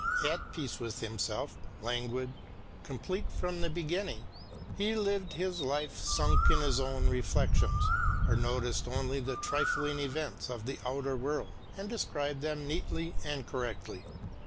At peace with himself, languid, complete from the beginning, he lived his life sunk in his own reflections or noticed only the trifling events of the outer world and described them neatly and correctly.